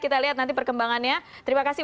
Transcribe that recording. kita lihat nanti perkembangannya terima kasih